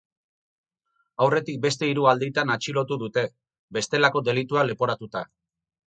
Aurretik beste hiru alditan atxilotu dute, bestelako delituak leporatuta.